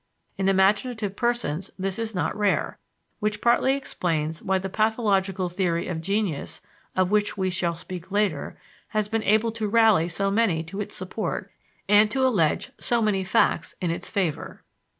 In imaginative persons this is not rare, which partly explains why the pathological theory of genius (of which we shall speak later) has been able to rally so many to its support and to allege so many facts in its favor.